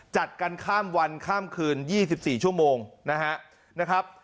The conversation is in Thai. จัดกันข้ามวันข้ามคืน๒๔ชั่วโมงนะครับ